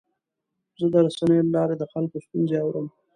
زه د رسنیو له لارې د خلکو ستونزې اورم.